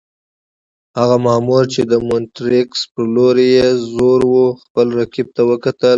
هغه مامور چې د مونټریکس پر لور یې زور وو، خپل رقیب ته وکتل.